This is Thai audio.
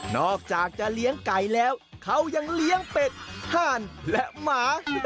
อกจากจะเลี้ยงไก่แล้วเขายังเลี้ยงเป็ดห่านและหมา